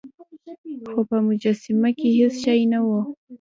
خو په مجسمه کې هیڅ شی نه و.